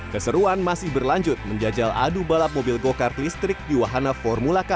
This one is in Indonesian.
keseruan masih berlanjut menjajal adu balap mobil go kart listrik di wahana formula k